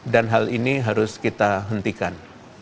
dan hal ini harus kita hentikan